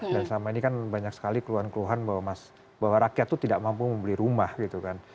dan selama ini kan banyak sekali keluhan keluhan bahwa rakyat tuh tidak mampu membeli rumah gitu kan